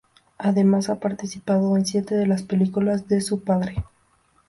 Además ha participado en siete de las películas de su padre.